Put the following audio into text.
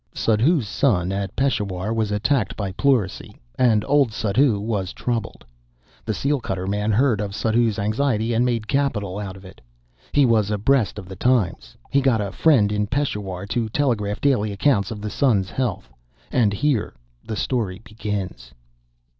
Suddhoo's son at Peshawar was attacked by pleurisy, and old Suddhoo was troubled. The seal cutter man heard of Suddhoo's anxiety and made capital out of it. He was abreast of the times. He got a friend in Peshawar to telegraph daily accounts of the son's health. And here the story begins.